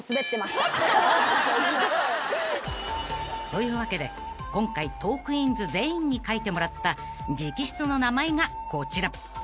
［というわけで今回トークィーンズ全員に書いてもらった直筆の名前がこちら］